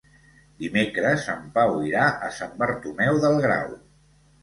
Dimecres en Pau irà a Sant Bartomeu del Grau.